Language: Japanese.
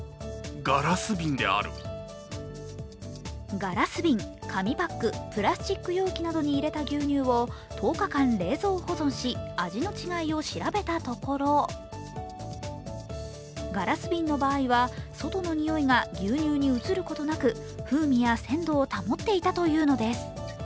ガラス瓶、紙パック、プラスチック容器などに入れた牛乳を１０日間、冷蔵保存し味の違いを調べたところ、ガラス瓶の場合は、外の匂いが牛乳に移ることなく、風味や鮮度を保っていたというのです。